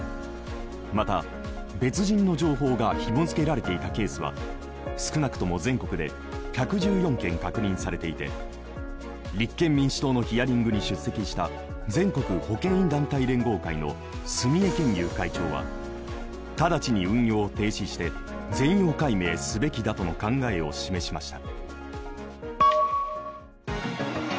また、別人の情報がひも付けられていたケースは少なくとも全国で１１４件確認されていて、立憲民主党のヒアリングに出席した全国保険医団体連合会の住江憲勇会長は、直ちに運用を停止して全容解明すべきだとの考えを示しました。